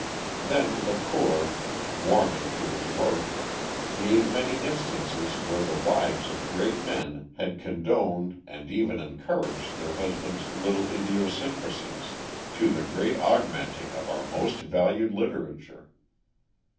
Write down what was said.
Then Lacour, warming to his work, gave many instances where the wives of great men had condoned and even encouraged their husbands' little idiosyncrasies, to the great augmenting of our most valued literature.